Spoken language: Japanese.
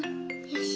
よし！